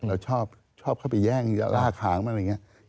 เราชอบเขาไปแย่งลากหางมันอะไรอย่างนี้